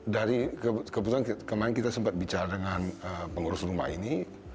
dari kebetulan kemarin kita sempat bicara dengan pengurus rumah ini